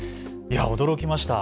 驚きました。